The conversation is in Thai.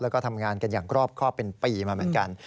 แล้วก็ทำงานกันอย่างรอบครอบเป็นปีมาเหมือนกัน